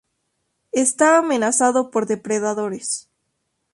Está amenazado por depredadores.